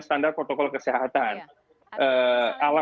standar protokol kesehatan ala